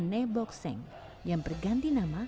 nebok seng yang berganti nama